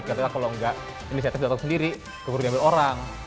kita kalau nggak inisiatif datang sendiri perlu diambil orang